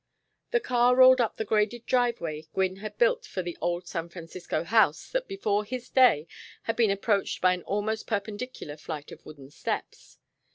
The car rolled up the graded driveway Gwynne had built for the old San Francisco house that before his day had been approached by an almost perpendicular flight of wooden steps.